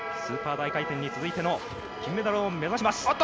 スーパー大回転に続いての金メダルを目指します。